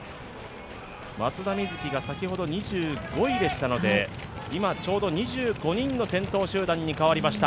松田瑞生が先ほど２５位でしたので、今、ちょうど２５人の先頭集団に変わりました。